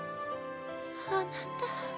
あなた。